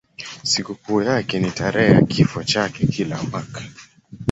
Sikukuu yake ni tarehe ya kifo chake kila mwaka.